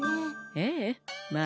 ええまあ。